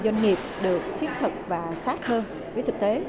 doanh nghiệp được thiết thực và sát hơn với thực tế